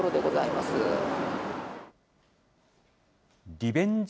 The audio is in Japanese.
リベンジ